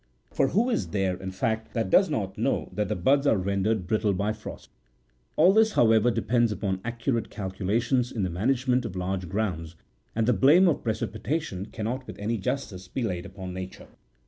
For who is there,46 in fact, that does not know that the buds are rendered brittle by frost ? All this, how ever, depends upon accurate calculations in the management of large grounds, and the blame of precipitation cannot with any justice be laid upon Nature.